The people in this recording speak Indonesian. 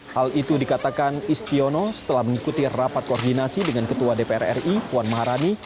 hal itu dikatakan istiono setelah mengikuti rapat koordinasi dengan ketua dpr ri puan maharani